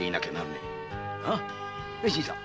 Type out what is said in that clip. ね新さん。